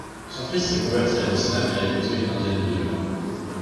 Son fils s'est converti à l'islam et a épousé une indienne musulmane.